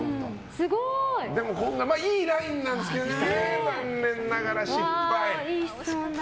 でもいいラインなんですけどね残念ながら失敗。